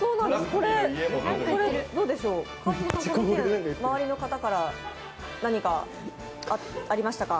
これ、どうでしょう、川島さん、周りの方から何かありましたか？